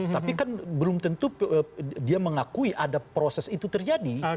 tapi kan belum tentu dia mengakui ada proses itu terjadi